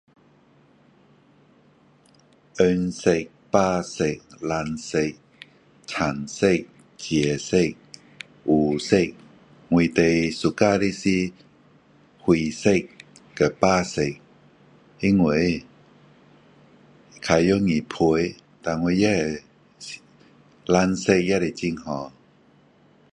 红色白色蓝色青色紫色黑色我最喜欢的是灰色和白色因为较容易配然后我也会蓝色也是很好